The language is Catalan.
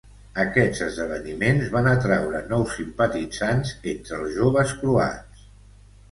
Aquests esdeveniments van atraure nous simpatitzants entre els joves croats.